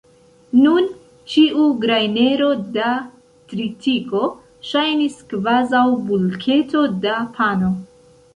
Nun ĉiu grajnero da tritiko ŝajnis kvazaŭ bulketo da pano.